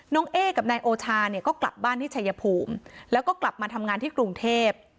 เอ๊กับนายโอชาเนี่ยก็กลับบ้านที่ชายภูมิแล้วก็กลับมาทำงานที่กรุงเทพ